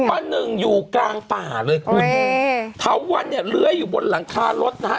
ป้าหนึ่งอยู่กลางป่าเลยคุณเถาวันเนี่ยเลื้อยอยู่บนหลังคารถนะฮะ